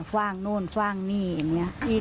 ว่างโน่นฟ่างนี่อันนี้